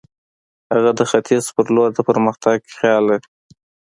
هغه د ختیځ پر لور د پرمختګ خیال لري.